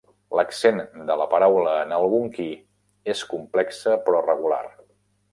L'accent de la paraula en algonquí és complexe però regular.